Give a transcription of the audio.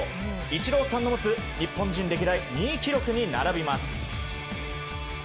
イチローさんの持つ日本人歴代２位記録に並びます。